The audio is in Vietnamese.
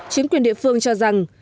chính quyền địa phương cho rằng